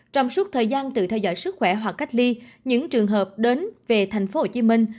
trong suốt thời gian tự theo dõi sức khỏe hoặc cách ly những trường hợp đến về thành phố hồ chí minh